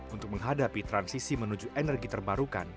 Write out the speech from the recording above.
untuk menghadapi transisi menuju energi terbarukan